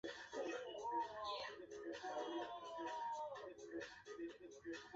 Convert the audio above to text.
辐射转移是以电磁辐射形式进行能量转移的物理现象。